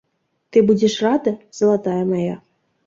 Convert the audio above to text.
Ты будзеш рада, залатая мая?